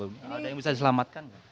ada yang bisa diselamatkan